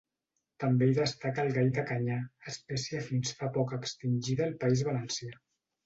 També hi destaca el gall de canyar, espècie fins fa poc extinta al País Valencià.